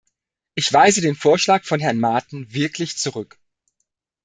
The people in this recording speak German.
Ich weise den Vorschlag von Herrn Maaten wirklich zurück.